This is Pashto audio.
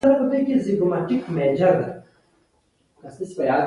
د دې هیواد حیرانوونکې ترقي هم پکې ده.